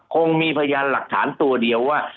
คงมีพยานหลักฐานตัวเดียวว่า